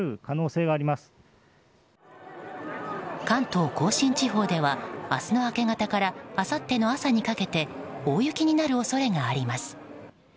関東・甲信地方では明日の明け方からあさっての朝にかけて大雪になる恐れがあります。